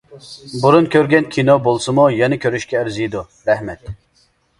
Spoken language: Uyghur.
بۇرۇن كۆرگەن كىنو بولسىمۇ يەنە كۆرۈشكە ئەرزىيدۇ، رەھمەت.